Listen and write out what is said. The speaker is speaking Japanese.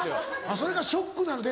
それがショックなの？